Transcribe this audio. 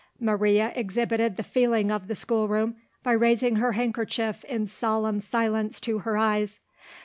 Maria exhibited the feeling of the schoolroom, by raising her handkerchief in solemn silence to her eyes.